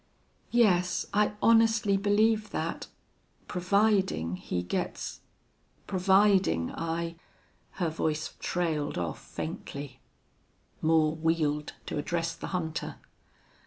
"Yes, I honestly believe that providing he gets providing I " Her voice trailed off faintly. Moore wheeled to address the hunter.